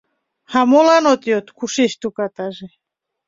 — А молан от йод — кушеч ту катаже?